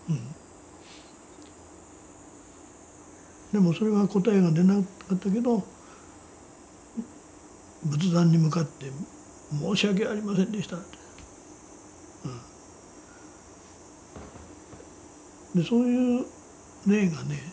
でもそれは答えが出なかったけど仏壇に向かって「申し訳ありませんでした」と。そういう例がね